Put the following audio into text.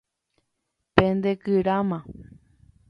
Pendekyráma.